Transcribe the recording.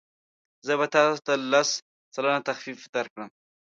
زه به تاسو ته لس سلنه تخفیف درکړم.